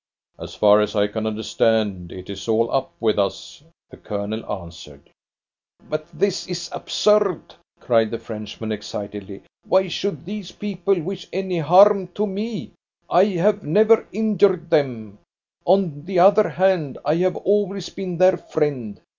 "As far as I can understand, it is all up with us," the Colonel answered. "But this is absurd," cried the Frenchman excitedly; "why should these people wish any harm to me? I have never injured them. On the other hand, I have always been their friend.